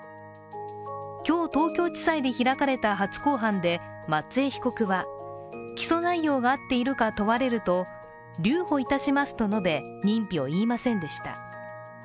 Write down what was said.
今日、東京地裁で開かれた初公判で松江被告は起訴内容が合っているか問われると留保いたしますと述べ認否を言いませんでした。